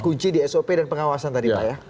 kunci di sop dan pengawasan tadi pak ya